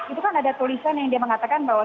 itu kan ada tulisan yang dia mengatakan bahwa